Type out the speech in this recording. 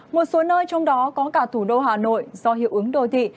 một số nơi trong đó có cả thủ đô hà nội do hiệu ứng đô thị